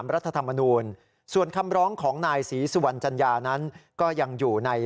รัฐธรรมนูลส่วนคำร้องของนายศรีสุวรรณจัญญานั้นก็ยังอยู่ใน